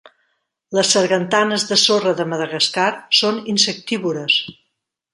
Les sargantanes de sorra de Madagascar són insectívores.